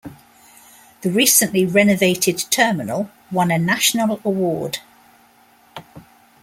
The recently renovated terminal won a national award.